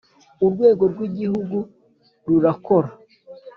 Urwego rw’ Igihugu rurakora